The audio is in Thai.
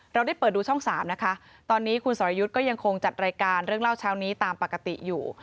เราได้เปิดดูช่อง๓นะคะตอนนี้คุณสรยุทธ์ก็ยังคงจัดรายการเรื่องเล่าเช้านี้ตามปกติอยู่